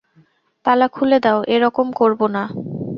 তালা খুলে দাও, এ রকম করব না।